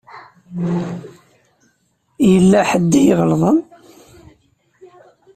Yella ḥedd i iɣelḍen.